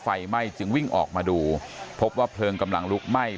ไฟไหม้จึงวิ่งออกมาดูพบว่าเพลิงกำลังลุกไหม้